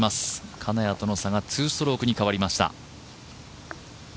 金谷との差が２ストロークに変わりました。